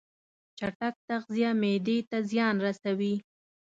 چټک تغذیه معدې ته زیان رسوي.